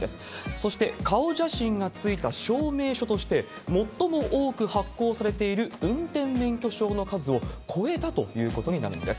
そして、顔写真が付いた証明書として最も多く発行されている運転免許証の数を超えたということになるんです。